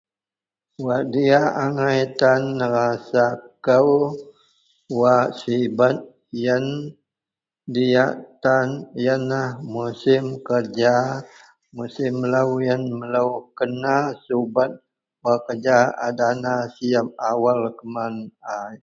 Wak diyak angai tan nerasa kou wak sibet yen diyak tan yenlah musim kereja musim melou yen melou kena subet wak kereja a dana siyep awel kuman a.